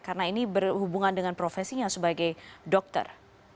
karena ini berhubungan dengan profesinya sebagai dokter